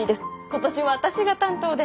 今年は私が担当で。